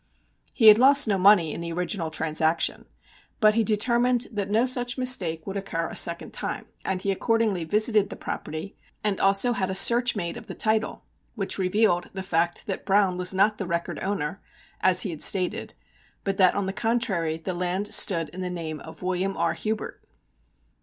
He had lost no money in the original transaction, but he determined that no such mistake should occur a second time, and he accordingly visited the property, and also had a search made of the title, which revealed the fact that Browne was not the record owner, as he had stated, but that, on the contrary, the land stood in the name of "William R. Hubert."